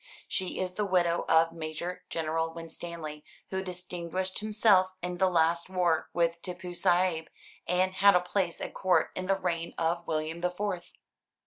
She is the widow of Major General Winstanley, who distinguished himself in the last war with Tippoo Saïb, and had a place at Court in the reign of William the Fourth."